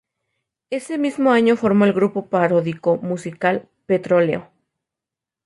Ese mismo año formó el grupo paródico musical "Petróleo".